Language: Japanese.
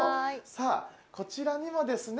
さぁこちらにもですね